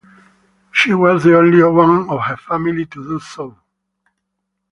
She was the only one of her family to do so.